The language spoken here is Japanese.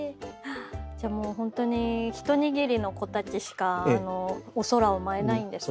じゃあもう本当に一握りの子たちしかお空を舞えないんですね。